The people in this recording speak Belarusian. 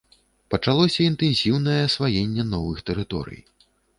Пачалося інтэнсіўнае асваенне новых тэрыторый.